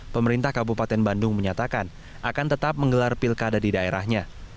pemerintah kabupaten bandung menyatakan akan tetap menggelar pilkada di daerahnya